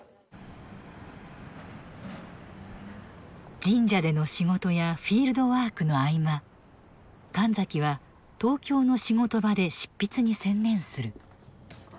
神社での仕事やフィールドワークの合間神崎は東京の仕事場で執筆に専念する。